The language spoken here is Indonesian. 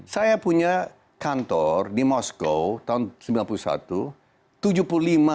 saya punya kantor di moskow tahun seribu sembilan ratus sembilan puluh satu